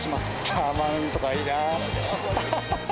タワマンとかいいなぁ。